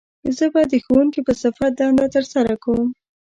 زه به د ښوونکي په صفت دنده تر سره کووم